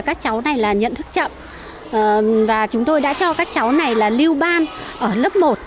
các cháu này là nhận thức chậm và chúng tôi đã cho các cháu này là lưu ban ở lớp một